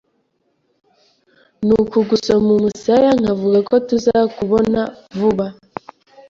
ni ukugusoma umusaya nkavuga ko tuzakubona vuba